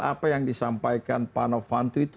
apa yang disampaikan pak novanto itu